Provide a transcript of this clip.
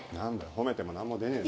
褒めてもなんも出ねえぞ。